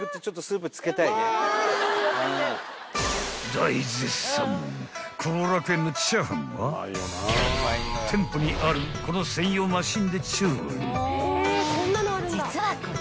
［大絶賛幸楽苑のチャーハンは店舗にあるこの専用マシンで調理］